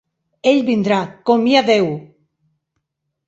Ell vindrà, com hi ha Déu!